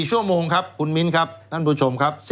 ๔ชั่วโมงครับคุณมิ้นครับท่านผู้ชมครับ